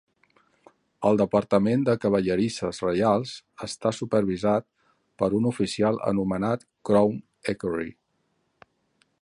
El Departament de Cavallerisses Reials està supervisat per un oficial anomenat Crown Equerry.